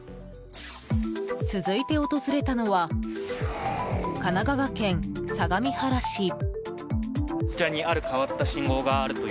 続いて訪れたのは神奈川県相模原市。